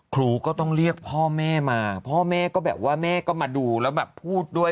ครูก็ต้องเรียกพ่อแม่มาพ่อแม่ก็แบบว่าแม่ก็มาดูแล้วแบบพูดด้วย